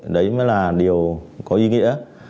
đấy mới là điều có ý nghĩa